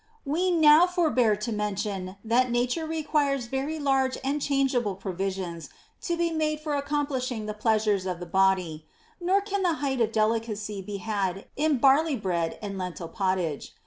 16. We will now forbear to mention that Nature requires very large and chargeable provisions to be made for ac complishing the pleasures of the body ; nor can the height of delicacy be had in barley bread and lentil pottage.